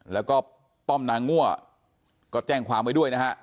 แล้วก็ป้อมนางงั่วก็แจ้งความไว้ด้วยนะฮะ